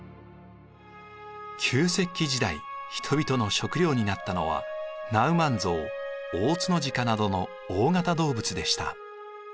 旧石器時代人々の食料になったのはナウマンゾウオオツノジカなどの大型動物でした。